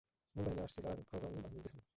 মূল বাহিনী আসছিল অগ্রগামী বাহিনীর পিছনে।